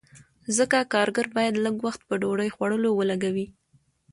ځکه کارګر باید لږ وخت په ډوډۍ خوړلو ولګوي